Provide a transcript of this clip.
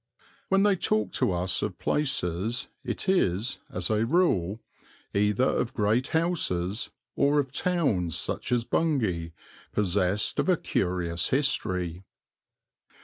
When they talk to us of places it is, as a rule, either of great houses, or of towns, such as Bungay, possessed of a curious history.